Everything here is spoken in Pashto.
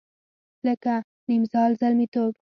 لکه نیمزال زلمیتوب